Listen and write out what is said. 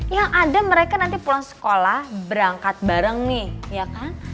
yang ada mereka nanti pulang sekolah berangkat bareng nih ya kan